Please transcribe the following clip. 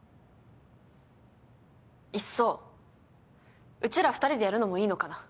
いっそうちら２人でやるのもいいのかな。